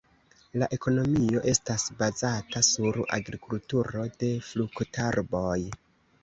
La ekonomio estas bazata sur agrikulturo de fruktarboj.